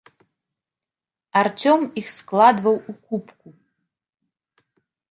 Арцём іх складваў у купку.